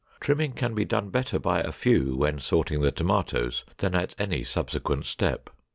Trimming can be done better by a few when sorting the tomatoes than at any subsequent step.